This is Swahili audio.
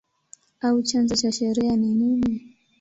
au chanzo cha sheria ni nini?